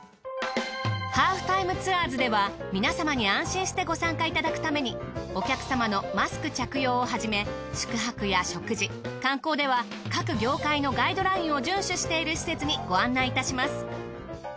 『ハーフタイムツアーズ』では皆様に安心してご参加いただくためにお客様のマスク着用をはじめ宿泊や食事観光では各業界のガイドラインを順守している施設にご案内いたします。